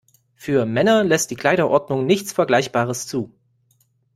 Für Männer lässt die Kleiderordnung nichts Vergleichbares zu.